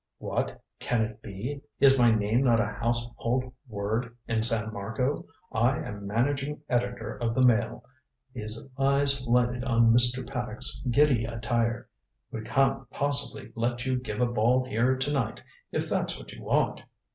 "What? Can it be? Is my name not a household word in San Marco? I am managing editor of the Mail." His eyes lighted on Mr. Paddock's giddy attire. "We can't possibly let you give a ball here to night, if that's what you want."